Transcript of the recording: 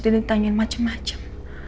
dan ditanyain macem macem